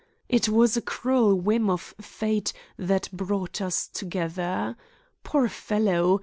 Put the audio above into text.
It was a cruel whim of Fate that brought us together. Poor fellow!